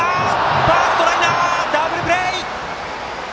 ファーストライナーでダブルプレー！